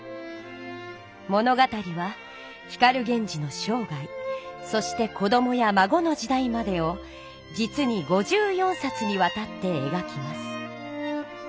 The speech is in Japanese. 物語は光源氏の生涯そして子どもやまごの時代までをじつに５４さつにわたってえがきます。